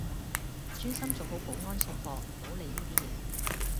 專心做好保安送貨，唔好理呢啲野